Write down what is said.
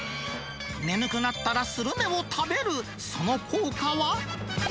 眠くなったらスルメを食べる、その効果は？